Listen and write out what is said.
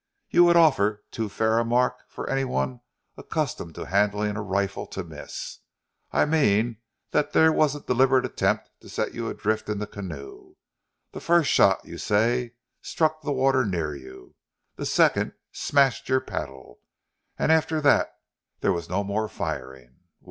"You would offer too fair a mark for any one accustomed to handling a rifle to miss. I mean that there was a deliberate attempt to set you adrift in the canoe. The first shot, you say, struck the water near you, the second smashed your paddle, and after that there was no more firing.